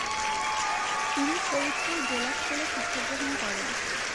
তিনি ফরিদপুর জেলা স্কুলে শিক্ষা গ্রহণ করেন।